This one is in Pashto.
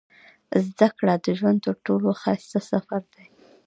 • زده کړه د ژوند تر ټولو ښایسته سفر دی.